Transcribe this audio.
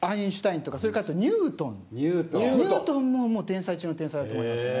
ニュートンももう天才中の天才だと思いますね。